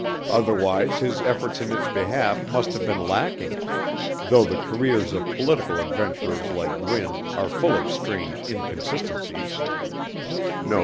Otherwise his efforts in its behalf must have been lacking though the careers of political adventurers like Gwin are full of strange inconsistencies.